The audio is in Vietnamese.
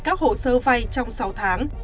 các hồ sơ vay trong sáu tháng